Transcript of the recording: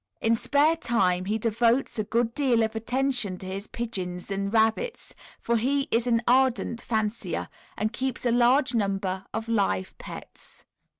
In spare time he devotes a good deal of attention to his pigeons and rabbits, for he is an ardent fancier, and keeps a large number of live pets.